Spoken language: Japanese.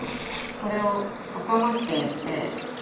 これをはかまっていって。